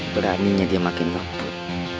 beraninya dia makin takut